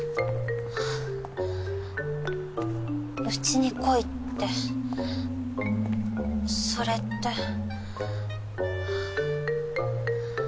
うちに来いってそれって。